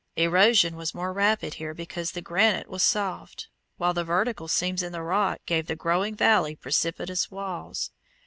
Erosion was more rapid here because the granite was soft, while the vertical seams in the rock gave the growing valley precipitous walls.